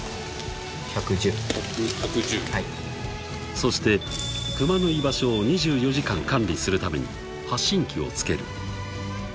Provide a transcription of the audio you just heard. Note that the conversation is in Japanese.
［そしてクマの居場所を２４時間管理するために発信器を付ける］